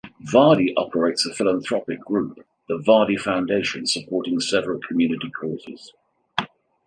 Vardy operates a philanthropic group, The Vardy Foundation, supporting several community causes.